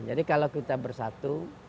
jadi kalau kita bersatu